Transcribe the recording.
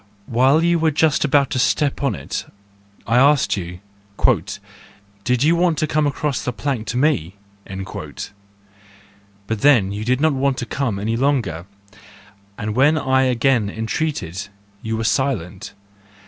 While you were just about to step on it, I asked you: " Do you want to come across the plank to me ?" But then you did not want to come any longer ; and when I again entreated, you were silent.